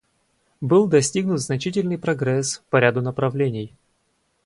Был достигнут значительный прогресс по ряду направлений.